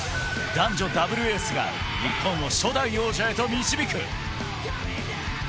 男女ダブルエースが日本の初代王者へと導く。